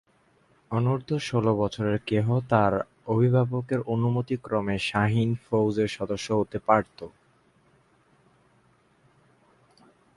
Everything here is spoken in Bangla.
অনূর্ধ্ব ষোল বছরের যে কেহ তার অভিভাবকের অনুমতিক্রমে শাহীন ফৌজের সদস্য হতে পারত।